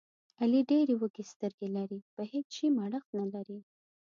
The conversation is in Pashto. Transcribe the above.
علي ډېرې وږې سترګې لري، په هېڅ شي مړښت نه لري.